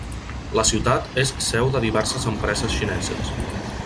La ciutat és seu de diverses empreses xineses.